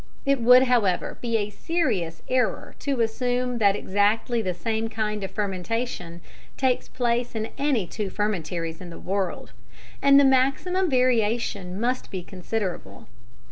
It would, however, be a serious error to assume that exactly the same kind of fermentation takes place in any two fermentaries in the world, and the maximum variation must be considerable.